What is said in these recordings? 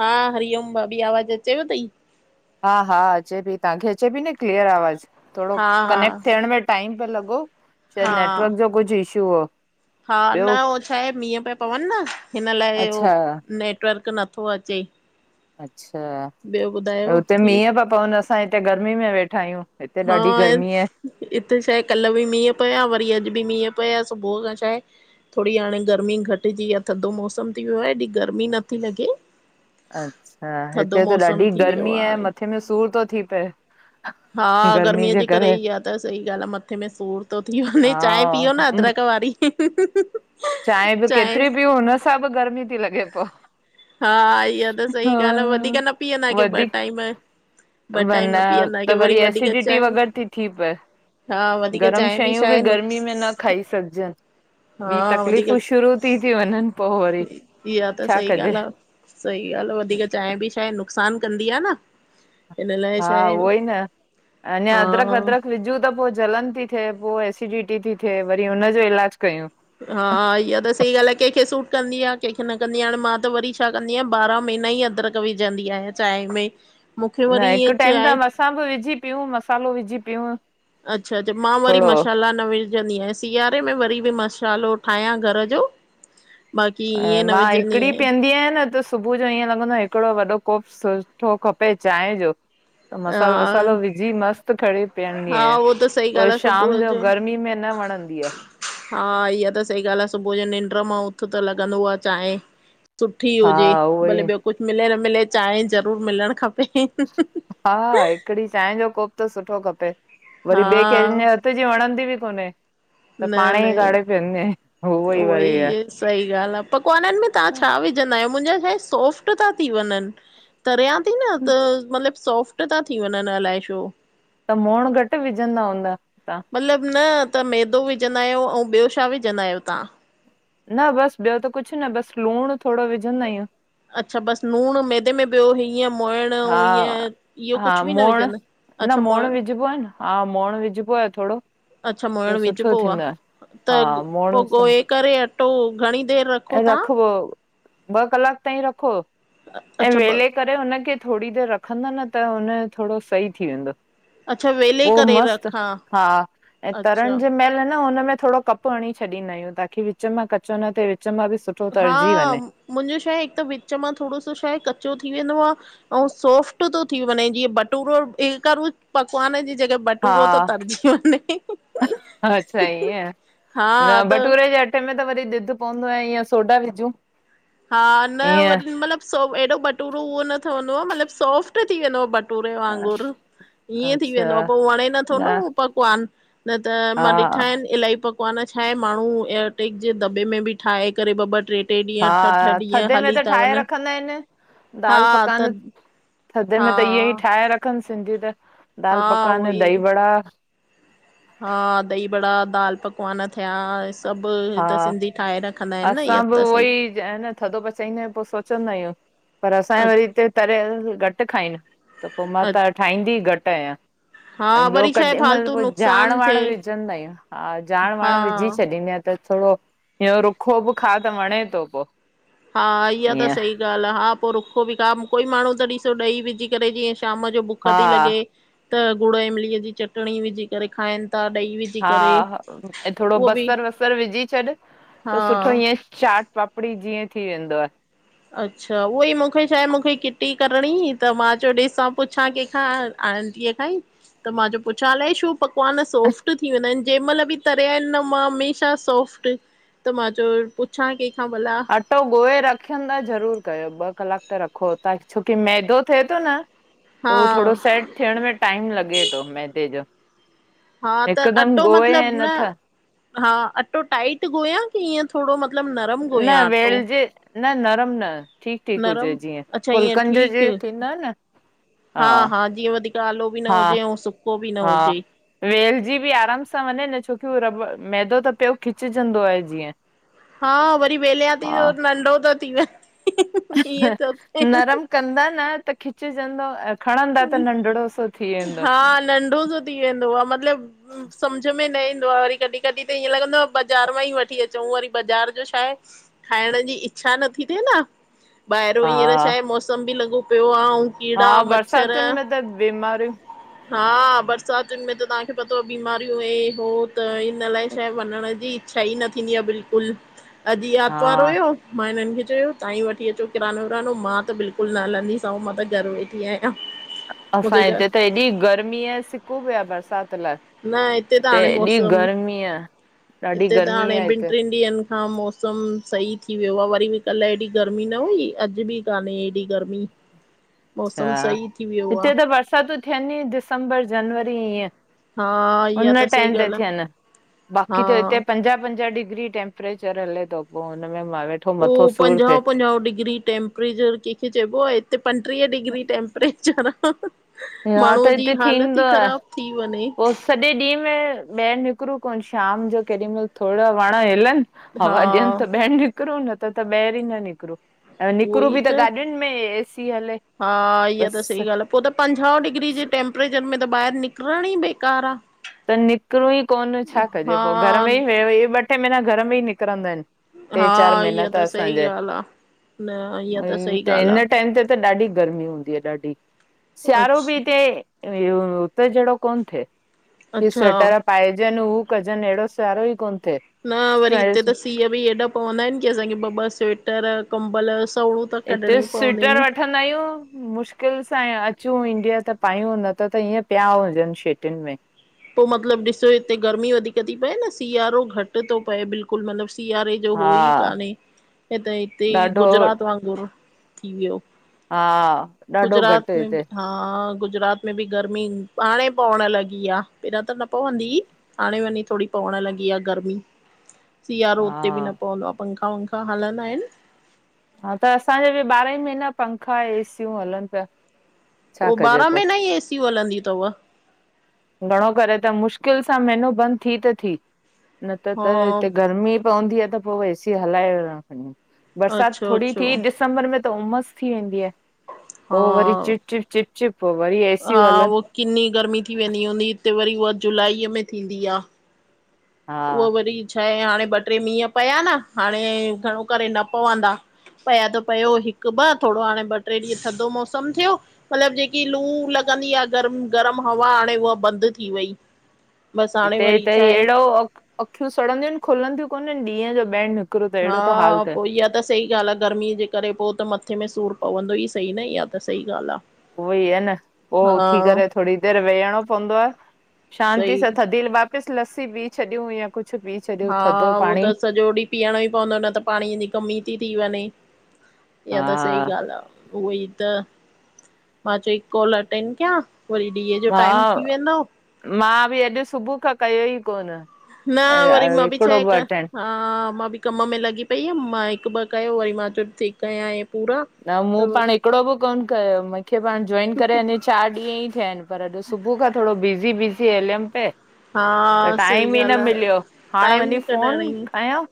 हा हरिओम भाभी आवाज़ अचेव तई। हा हा अचे पी तव्हांखे अचे पी न क्लीअर आवाज़ थोरो हा हा कनेक्ट थियण मे टाइम पिया लॻो चाहे हा नेटवर्क जो कुझु इशू हो। हा, न ॿियो होअ छां आहे मींहं पिया पवनि न, हिन लाइ उहो अच्छा नेटवर्क नथो अचे। अच्छा, ॿियो ॿुधायो हुते थी मींय पिया पवनि असां हिते गर्मी में वेठा आहियूं। हिते हा ॾाढी गर्मी आहे [unintelligible] हिते छाहे कल्ह बि मींहं पया, वरी अॼु बि मींहं पया, सुबुह खां छा आहे थोङी हाणे गर्मी घटिजी आ, थधो मौसम थी वियो आहे, हेॾी गर्मी नथी लॻे। अच्छा, थधो हिते त मौसम ॾाढी थी वियो गर्मी आहे हाणे मथे में सूर थो थी पए। हा गर्मीअ जे करे इ आ त सही ॻाल्हि आहे मथे में सूर थो थी वञे, चांय हा पियो न अदरक वारी। प [unintelligible] चांय बि केतिरी बि सां ॿ गर्मी थी लॻे पो। हा, इहा त सही ॻाल्हि आ, वधीक न पीअंदा कयो, ॿ टाइम ॿ टाइम वर्ना पीअंदा त आहियो वरी वधीक एसिडिटी चांहि वग़ैर ति थी पए। हा वधीक गरम चांहि छा शयूं बि आहे गर्मी नुक्स में न खाई सघजनि, हा ॿि वधीक तकलीफ़ूं शुरू ति थी वंञनि। इहा त सही ॻाल्हि आ। सही ॻाल्हि आ, वधीक चांय बि छाहे नुक़सानु कंदी आ न। हिन लाइ हा छा आहे उहो ई न अंञा हा अदरक वदरक विझूं त पो जलन ती थी थिए, पो एसिडिटी ति थिए, वरी हुनजो इलाज कयूं। हा इहा त सही ॻाल्हि आहे कंहिंखे सूट कंदी आ, कंहिंखे न कंदी आ, हाणे मां त वरी छा कंदी आहियां ॿारहां महीना ई अंदरक विझंदी आहियां चांय में, मूंखे न वरी ईअ हिकु टाइम त चांय असां ॿ विझी पिउ, मसालो विझी पिउं। अच्छा अच्छा, मां वरी मसाला न विझ विझंदी आंयां, सिआारे में वरी बि मसालो ठाहियां घर जो। बाक़ी ऐं ईअं न मां विझंदी हिकिड़ी आहियां। पीअंदी आयां न त सुबुह जो इअं लॻंदो आ, हिकिड़ो वॾो कोप सुठो खपे चांय जो। त मसालो वसालो हा, विझी मस्तु पीअंदी आहियां, हा उहो त सही पो ॻाल्हि वरी आ शाम सुबुह जो गर्मी में न वणंदी आ। हा इहा त सही ॻाल्हि आ, सुबुह जो निंड्र् मां उथ त लॻंदो आ चांय सुठी हा हुजे, उहो भले ई ॿियो कुछ मिले न मिले, चांय ज़रूरु मिलणु खपे। हा हिकिड़ी चांय जो कोप त सुठो खपे वरी हा ॿिए कंहिंज हथ जी वणंदी बि कोन्हे त न पाणे न ई काढे पिअंदी आं, त उअ ई वरी आए। सही ॻाल्हि आहे, पकवाननि में तहां छा विझंदा आयो? मुंहिंजा छाए सॉफ्ट ता थी वञनि। तरिियां ती न त मतलबु सोफ्ट ता थी वंञनि अलाए छो? त मोअंण घटि विझंदा हूंदा। तव्हां? मतिलबु न, त मैदो विझंदा आयो ऐं ॿियो छा विझंदा आयो तां? न बस ॿियो त कुछु न, बस लूणु थोङो विझंदा आयूं। अच्छा बस लूणु मैदे में, ॿियो इीअं मोइण हा ईअं, इहो हा कुछ बि न मोण विझनि? न मोएंण विझबो आ न, हा मोंएण विझबो आ थोङो। अच्छा मुइण विझबो आ, हा त पोइ मोण सां ॻोए करे अट्टो घणी देर रख ऐं रखो, ॿ कलाक ताईं रखो, ऐं अच्छा ॿ वेले करे हुनखे थोङी देर रखंदा न, त हुन थोङो सही थी वेंदो। अच्छा वेले उह करे मस्त, रखां हा ऐं अच्छा तरण जे मएल न हुनमें थोङो कप हणी छंदा आयूं, ताकि विच मां कच्चो न थिये, विच्च मां वि सु हा, मुंहिंजो छा आहे, हिकु त विच मां थोङो सो शायद कच्चो थी वेंदो आ अंउ सोफ्ट तो थी वंञे, जीअं बटूरो कर पकवान जी जॻह हा बटूरो थो तरिजी वंञे। अच्छा ईअं न भटूरे जे अट्टे में त वरी ॾुधु पवंदो आ, ऐं ईअं सोडा विझूं। हा न ईअं वरी मतलब हेॾो बटूरो उहो न ठहंदो आ मतलब सोफ्ट थी वेंदोव बटू। कटूरे वांगुर ईअं थी वेंदो आ अच्छा पो वणे नथो न ऊअ पकवान। न त हा मां ॾिठा आहिन इलाही पक। पकवान छा आहे माण्हू एयरटेक जे दॿे में बि ठाहे करे ॿ ॿ त्रें त्रें ॾींहं ठ। ह थड्डे में त ठाहे रखंदा आहिन हा दाल त पकवान। थड्डे हा में त इअं ई ठाहे रखन सिंधी त दाल हा पकवान उहोई दही वड़ा। हा दही बड़ा दाल पकवान थयांस्। सब हा त सिंधी ठाहे रखंदा आहिन न असां इहा बि त उहो सही। ई न इंअ थड्डो पचाईंदायूं पो सोचंदायूं पर असां अ वरी हिते तरियल घट खाइन। त पो मां अ त ठाहींदी घट् आयां। हा ऐं ॿियो वरी छा आहे कॾहिं मल फालतू पो जाण नुक़सान वाण थिए विझंदायूं हा जाण वाण हा विझी छॾींदीयां। त थोरो इहो रुखो बि खा त वणे थो पो। हा इहा त ईअं सही। ॻाल्ह हा पो रुखो बि खा कोई माण्हू त ॾिसो ॾही विझी करे जीअं शाम जो बुख हा थी लॻे। त गुड़ इमलीअ जी चटणी विझी करे खाइन ता डही वि। हा हा ऐ थोरो बसर वसर विझी छॾ त हा सुठो इएंं चाट पाप। कपड़ी जीअं थी वेंदो आ। अच्छा उहो ई मूंखे छा आहे मूंखे किटी करणी त मां चयो ॾिसां पुछा केंखा। टीय खांई त मां चयो पुछ अलाए छो पकवान सोफ्ट थी वेंदा आहिन जें मल बि। तरिया आहिन न मां हमेशा सोफ्ट त मां चयो पुछां केंखा भला। अटो ॻोहे रखियन था ज़रूर कयो ॿ कलाक त रखो त छोकी मैदो थिए तो न। त हा ऊवो थोरो सेट थियण में टाइम लॻे थो मैदे जो। हा त हिकदमि अटो ॻोए मतलब ऐं न। नथ हा अटो टाइट गोयां कीअं थोरो मतलब नरम न गोयां अटो। वेलजे न नरम न। ठीक ठीक हुजे नरम जीअं अच्छा ईअं फुल्कन जे ठीक जीअं थींदो अ न। हा हा जीअं वधीक आलो बि न हा हुजे ऐं सुको बि न हा हुजे। वेलजी बि आराम सां वञे न छोकी उहो रबड़ मैदो त प्यो खिचेचंदो आहे जीअं। हा बरी बेले आती हा नंढो त थी व। नरम कंदा न त खिचेंचंदो अ। खणंदा त नंढिड़ो सो थी वेंदो। हा नंढो त। थी वेंदो आ मतलब। सम्झ में न ईंदो आ वरी कॾहिं कॾहिं त ईअं लॻंदो आहे बाज़ार मां वई वठी अचूं वरी बाज़ार जो छाहे। खाइण जी इच्छा नथी थिए न ॿाहिरयों हा हींअर छा आहे मौसम बि लॻो प्यो आ ऊ। हा बरसातुन में त बीमारियूं। हा बरसातुन में त तांखे पतो बीमारियूं हिं हो त इन लाइ शइ वञण जी। छ ई न थींदी आहे बिल्कुल अॾी हा आतवार हुयो। मां हिनन् खे चयो तांई वठी अचो किरानो विरानो मां त बिल्कुल न हलंदीसां आऊ मां त घर वेठी आहियां। अ। असांए हिते त हेएॾी गर्मीयां सिकूं पयो आ बरसात लाइ। न हिते त हाणे एॾी मौसम गर्मी आ, ॾाढी हिते त गर्मी हाणे आ ॿिन हिते। ट्रिनिंन् ॾींहंन। हा मौसम सही थी वयो आ, वरी बि कल्ह एहड़ी गर्मी न हुई अॾ बि कान्हे एॾी गर्मी। अच्छा मौसम सही थी वियो हिते आहे त बरसातूं थियनई दिसंबर जनवरी ईअं। हा हुन इहा त सही टाइम ते ॻाल्हि आहे थियन बाक़ी त हिते हा पंजाह पंजाह डिग्री तेंप्। टेप्रेचर हले थो, पो हुन में मां वेठि पो हू पंजाहु पंजाहु डिग्री टेम्परेचर कैंखे चइबो आ हिते पंटीह डिग्री टैम्परेचर आ, हा त माण्हूअ जी हिते हालति थींदो ई आ। ख़राबु थी वंञे पो सॼे ॾींहं में ॿाहिरि निकिरूं कोन, शाम जो केॾी मइल थोङो वण हिलन हा हवा ॾियनि त ॿाहिरि निकिरूं, न त त ॿाहिरि ई न निकिरो ऐं उहो निकिरूं ई बि त गाॾियुनि में एसी हले। हा इहा त सही बसि ॻाल आ, पो त पंजा डिग्री जे टेम्प ट्रेचर में त बाहिर निकरण ई बेकार आ। त निकिरूं ई कोन, छा कजे पो, घर में ई व ॿ टे महीना घर में ई निकिरंदा आहिन। टे हा चार महीना इहा त सही असांजे ॻाल्हि आहे न इहा सही त, ॻाल्हि हिन टाइम ते त ॾाढी गर्मी हूंदी आ ॾाढी, आहे सियारो बि अच्छा हिते उते जेड़ो कोन थिए। कि अच्छा स्वेटर पाएजनि, हू कजन, एड़ो सियारो ई कोन थ्ये। न वरी हिते त सीउ बि एॾा पवंदा आहिन कि असांखे ॿ ॿ सवेटर कंबल सवणूं त हिते कढणियूं पवंदियूं स्वेटर आहिन। वठंदा आंयू, मुश्किल सां अचूं ईडिया त पायूं न त त हीअं पिया हुजनि सेटियुनि में। पो मतिलबु ॾिसो हिते गर्मी वधीक थी पए न, सिआरो घटि थो पए बिल्कुलु मतलबु सिआरे हो हा ई काने, हि त हिते ई ॾाढो गुजरात वांगुर थी वियो। हा ॾाढो गुजरात घटि में हिते बि हा गुजरात में बि गर्मी हांणे पवण लॻी आ। पहिरियां त न पवंदी इ, हाणे वंञी थोङी पवणु लॻी आ गर्मी। सियारो उते हा बि न पवंदो आ, पंखा वंखा हलंदा आहिन। हा त असांजे बि ॿारंई महीना पंखा, एसियूं हलनि पिया। छा उ कजे ॿारहां पो महीना ई एसियूं हलंदियूं थव! घणो करे त मुश्किल सां मेहिनो बंदि थी त थी, न त हा त हिते गर्मी पवंदी आहे त पो एसी हलाए रखंदा आंयुं, बरसात अच्छा थोङी अच्छा थी, ॾिस दिसंबर में त उमस थी वेंदी आहे। हा पो वरी चिप चिप, चिपचिप, हो वरी एसी हा यूं हलनि। उहो किन्नी गर्मी थी वेंदी हूंदी, हिते वरी उहा जुलाई में थींदी आ। हा उहा वरी छा आहे हाणे ॿ टे मींहं पया न, हाणे घणो करे न पवंदा। पया त पयो हिकु ॿ, थोङो हाणे ॿ टे ॾींहं थधो मौसम थियो। मतिलबु जेकी लू लॻंदी आ गरम, गरम हवा हाणे उहा बंद थी वई। बसि हाणे हिते हिय वरी त छा आहे एड़ो अखियूं सड़ंदियूं आंइन खुलंदियूं कोनन ॾींहं जो भेण। हा पो ई आ हा त सही ॻाल्हि आ, गर्मीअ जे करे पो त मथे में सूरु पवंदो ई सही न, इहा त सही ॻाल्हि आ। उहोई आ न, पो उथी करे थोङी देर वेयंणो पवंदो आहे। शांति सही सां थद्धि वापिस लस्सी पी छॾियूं या कुझु बि। हा उहो त सॼो ड़ींहु पियणो ई पवंदो न त पाणीअ जी कमी ती थी वंञे, हा इहा त सही ॻाल्हि आ। उह ई त, मां चयो ई कॉल अटेंड कयां वरी ॾींहं जो टाइम मां थी वेंदो। मां बि अॼु सुबुह खां कयो ई कोन। न वरी मां बि हिकिड़ो छाहे क अटेंड अं मां बि कम में लॻी पई हुयम मां हिक ॿ कयो वरी मां चयो ठीक आयां ऐं। न मूं पाण हिकड़ो बि कोन कयो मूंखे पाण जोॉइन करे अञे। चार ॾींहं ई थिया आहिन पर दूं सुबुह खां थोरो बिज़ी बिज़ी हलियम पे। हा त सही टाइम ई न ॻाल्हि आहे मिलियो हाण वञी टाइम फोन कढण ई कयां।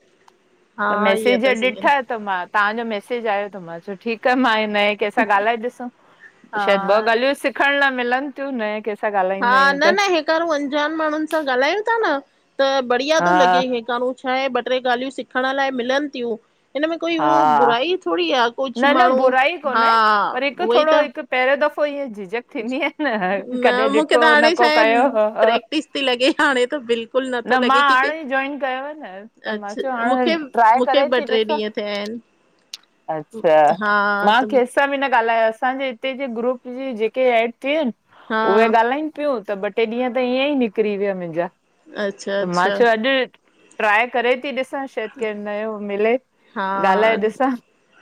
हा त इहा मैसेज त सही ॻाल्हि ॾिठा त मां तांजो मैसेज आयो त मां चयो ठीक। मां नए कंहिं सां ॻाल्हाए ॾिसूं शायद ॿ हा ॻाल्हियूं सिखण लाइ मिलन थियूं नए कंहिं सां। हा न न हेकारूं अंजान माण्हुन सां ॻाल्हायूं ता न त बढ़िया त थो हा लॻे हेकारूं। छा आहे ॿ ट्रे ॻाल्हियूं सिखण लाइ मिलन थियूं न हिन में कोई उहो हा बुराई थोरी न आ। न न बुरई कोन्हे पर हिक उहोई थोरो त हिक पहरयों दफ़ो ईअ झिझक। थींदी आहे न कॾहिं मूंखे त ॾिठो न हाणे छा को आहे कयो। प्रैक्टिस थी लॻे हाणे त बिल्कुलु नथो न मां लॻे की के हाणे ई जोईन कयो आ न त मां चयो हाणे ट्राए करे ती ॾिसां। पेहेन। अच्छा, मां कैस। त बिन ॻाल्हायो असांजे हिते जे ग्रुप जी जेके एड थियांन हा उहा ॻाल्हाइन। पियो त ॿ टे ॾींहं त ईअं ई निकरी विया मुंजा अच्छा त मां अच्छा चयो अॼु। ट्राए करे थी ॾिसां सायद केर नयो मिले। ॻाल्हाए हा ॾिसां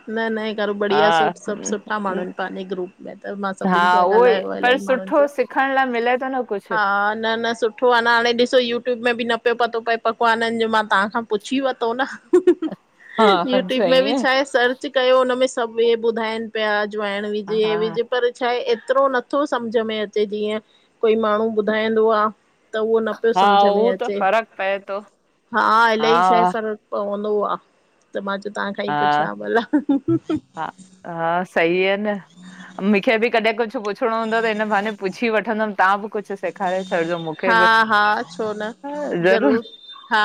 न न करो बढ़िया सु सभ सुठा हा माण्हू आहिन पंहिंजे ग्रुप। मां हा सभिंसा उहो ई ॻाल्हायो पर अलाई सुठो माण्हुनसां सां सिखण लाइ मिले थो न कुझु। हा न न सु। सुठो आ न हाणे ॾिसो यूट्यूब में बि न प्यो पतो पए पकवानन जो मां तां खां पुछी वरतो न। हा यूट्यूब में सही बि आहे। छाए सर्च। सर्च कयो हुनमें सभ हि ॿुधाइन प्या अजवाइंन बिज ए हा बिज। पर छा हे एतरो नथो सम्झ में अचे जीअं कोई माण्हू ॿुधाईंदो आ। त उहो न पयो हा सम्झ में उहो त अचे फ़र्क पए थो हा अलही शइ हा पर। पवंदो आ त मां चयो तांखांई पुच्छ्यो हा वा भला। हा हा सही आ न मूंखे बि कॾहिं कुछ पुछिणो हूंदो त हिन बहाने पुछी वठ। वंदम तां बि कुछ। कुछ सेखारे छॾिजो मूंखे हा ब हा छो न ह ज़रूरु। ज़रूर हा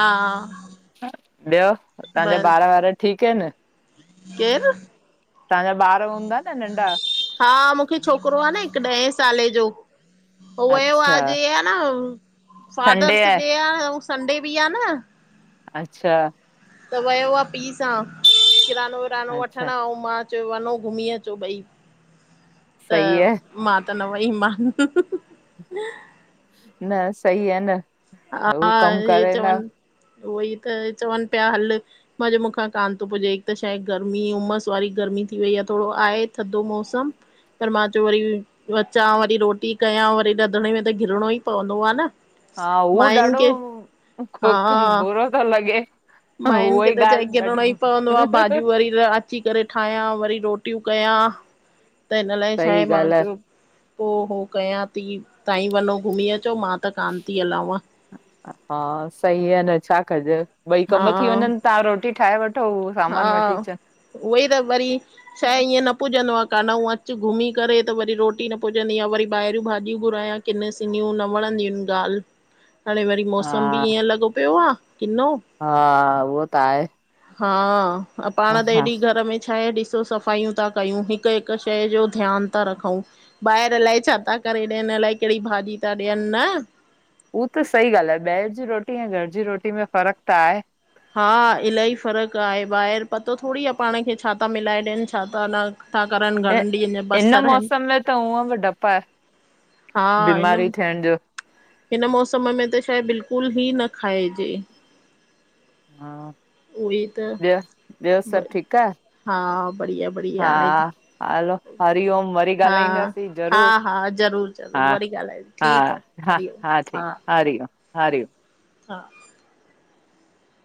ॿियो तांजा ॿार वार ठीक आहिन। केर। तांजा ॿार हूंदा न नंढा। हा मूंखे छोकरो आहे न हिक ॾह साले जो हुयो वयो न अच्छा आज ह न। संडे फादर्स आहे डे आ आऊ संडे बि आ न। अच्छा। त वयो आ पी सां। पुरानो वठण अच्छा आऊ मां चयो वञो घुमी अचो बयी। सही आहे मां त न वई मान। न सही आ न। हा हू कमु हे करे चवन न उहेई त चवन प्या हल। मां चयो मूंखां कान थो पूजे इक त छाए गर्मी उमस वारी गर्मी थी वई आ थोरो ठॾो मौसम। पर मां चयो वरी अचां वरी रोटी कयां वरी रंधणे में त घिरणो ई पवंदो आ न। हा उ मायुनि ॾाढो खे को हा कम बुरो थो लॻे। मायुनि उहा खे ई त चई ॻाल्हि ॾाढी घिरणो ई पवंदो आ सही भाॼियूं वरी रही। अची करे ठायां वरी रोटियूं कंयां त हिन लाइ छा आहे मां चयो। पो हो कयां थी तांहि वञो घुमी अचो मां त कांन थी हलांव। हा सही आहे न छा कजे ॿई हा कम थी वञन तां रोटी ठाहे वठ। हा उवई त वरी, शए ईय न पुजंदो आ कान्ह, हूअ अचु घुमी करे त वरी रोटी न पुजंदी आ, वरी ॿाहिरियूं भाॼियूं घुरायां किन सिनियूं न वणंदियूं इन ॻाल्हि। [inaudible] हाणे वरी हा मौसम बि ईअं लॻो पियो आ, किन्नो। हा उवो त आहे। हा, हा पाण त हा एॾी घर में छाहे ॾिसो सब सफ़ायूं ता कयूं, हिकु हिकु शयूं जो ध्यानु ता रखऊ। ॿाहिरि अलाए छा ता करे ॾियनि, अलाए कहिड़ी भाॼी ता ॾियनि न। उ त सही ॻाल्हि आ, ॿाहिरि जी रोटी ऐं घर जी रोटी में फ़र्क़ु त आहे। हा इलाही फ़र्क़ु आहे, ॿाहिरि पतो थोडी आ पाण खे छा ता मिलाए ॾियनि छा ता न था करनि अ घणनि ॾींहंनि जा इन बसर आहिनि मौसम में त ऊअं बि डप आहे। हा हिन बीमारी थियण जो हिन मौसम में त शहे बिल्कुलु बी न खाइजे। हा, उहे त ॿियो, ॿियो सभु ठीकु आ? हा बढ़िया हा बढ़िया हाणे हलो हरिओम, वरी हा ॻाल्हाईंदासीं हा ज़रूरु। हा ज़रूरु हा ज़रूरु वरी ॻाल्हायूं हा ठीकु आहे हा हरिओम हा ठीकु, हरिओम, हरिओम। हा